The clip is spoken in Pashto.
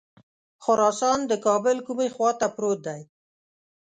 خراسان د کابل کومې خواته پروت دی.